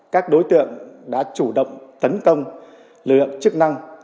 các đối tượng đã chủ động tấn công lực lượng chức năng